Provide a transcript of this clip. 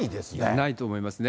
ないと思いますね。